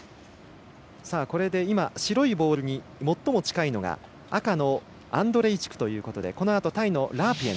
白いボールに最も近いのが赤のアンドレイチクということでこのあと、タイのラープイェン。